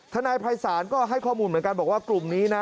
นายภัยศาลก็ให้ข้อมูลเหมือนกันบอกว่ากลุ่มนี้นะ